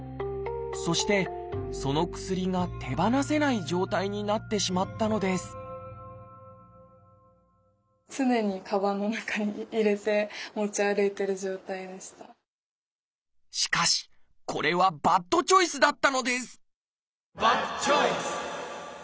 そしてその薬が手放せない状態になってしまったのですしかしこれはバッドチョイスだったのですバッドチョイス！